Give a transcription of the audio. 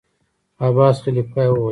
عباسي خلیفه یې وواژه.